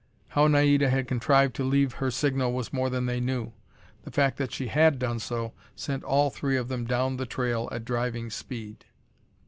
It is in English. How Naida had contrived to leave her signal was more than they knew. The fact that she had done so, sent all three of them down the trail at driving speed.